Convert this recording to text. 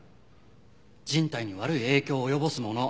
人体に悪い影響を及ぼすもの。